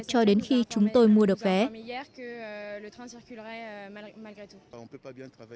cho đến khi đình công đã xảy ra